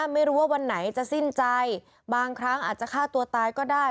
ไม่รู้ว่าวันไหนจะสิ้นใจบางครั้งอาจจะฆ่าตัวตายก็ได้